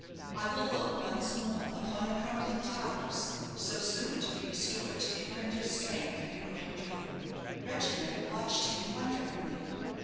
"I will look once more upon the crumbling towers, so soon to be restored to their primitive strength and grandeur." Reginald watched him wonderingly.